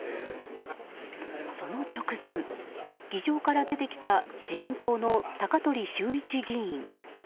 その直前議場から出てきた自民党の高鳥修一議員。